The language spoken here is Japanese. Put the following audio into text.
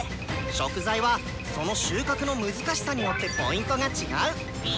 食材はその収穫の難しさによってＰが違う。